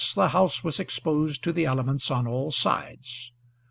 The house was thus exposed to the elements on all sides.